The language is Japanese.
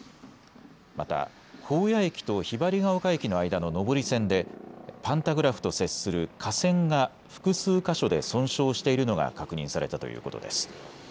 また保谷駅とひばりヶ丘駅の間の上り線でパンタグラフと接する架線が複数箇所で損傷しているのが確認されたということです。